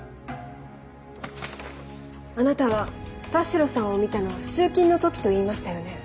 あなたは田代さんを見たのは集金の時と言いましたよね？